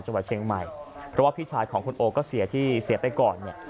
จังหวัดเชียงใหม่เพราะว่าพี่ชายของคุณโอก็เสียที่เสียไปก่อนเนี่ย